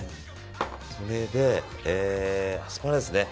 それで、アスパラですね。